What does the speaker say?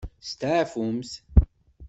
Steɛfumt.